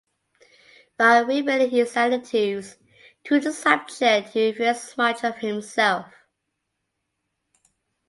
By revealing his attitudes to the subject he reveals much of himself.